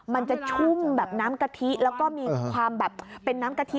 มันจะชุ่มแบบน้ำกะทิแล้วก็มีความแบบเป็นน้ำกะทิ